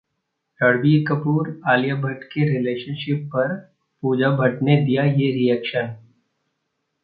रणबीर कपूर-आलिया भट्ट के रिलेशनशिप पर पूजा भट्ट ने दिया ये रिएक्शन